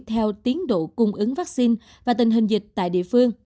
theo tiến độ cung ứng vaccine và tình hình dịch tại địa phương